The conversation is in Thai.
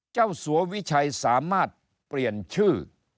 สัววิชัยสามารถเปลี่ยนชื่อ